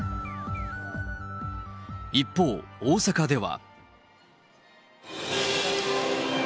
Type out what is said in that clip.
一方、大阪では。